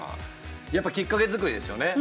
やっぱきっかけ作りですよね。